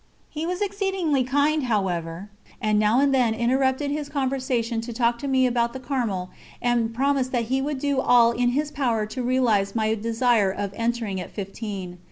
He was exceedingly kind, however, and now and then interrupted his conversation to talk to me about the Carmel and promise that he would do all in his power to realise my desire of entering at fifteen.